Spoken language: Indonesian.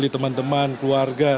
kepada teman teman keluarga